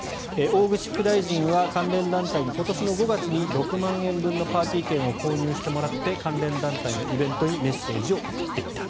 大串副大臣は関連団体に今年の５月に６万円分のパーティー券を購入してもらって関連団体のイベントにメッセージを送っていた。